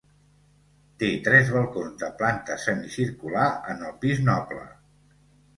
Té tres balcons de planta semicircular en el pis noble.